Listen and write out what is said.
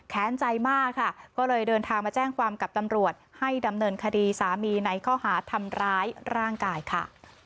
ใจมากค่ะก็เลยเดินทางมาแจ้งความกับตำรวจให้ดำเนินคดีสามีในข้อหาทำร้ายร่างกายค่ะ